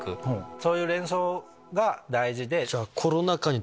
そういう連想が大事で。